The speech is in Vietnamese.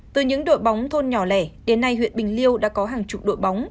từ những đội bóng thôn nhỏ lẻ đến nay huyện bình liêu đã có hàng chục đội bóng